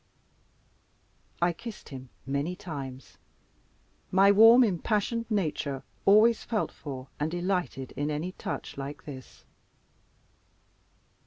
I kissed him many times. My warm impassioned nature always felt for and delighted in any touch like this.